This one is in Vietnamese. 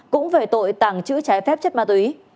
cũng về tội tàng trữ trái phép chất ma túy